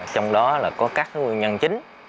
trong đó là có các nguyên nhân chính